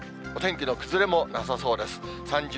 お天気の崩れもなさそうです。